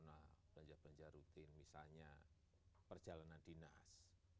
nah belanja belanja rutin misalnya perjalanan dinas